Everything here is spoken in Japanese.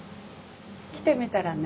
来てみたらね